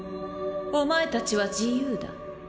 お前たちは自由だ。